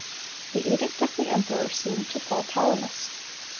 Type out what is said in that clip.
(264) The edict of the emperor seemed to fall powerless.